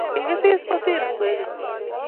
Kikisis kosir kwekeny